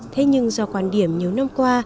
thế nhưng do quan điểm nhiều năm qua